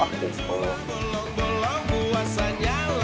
lampu jangan bayang